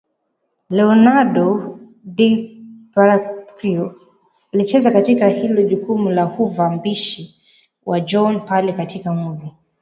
Leonardo DiCaprio alicheza katika hilo jukumu la HooverMbishi wa John pale katika movie